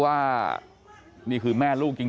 สวัสดีครับคุณผู้ชาย